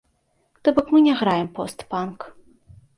То бок мы не граем пост-панк.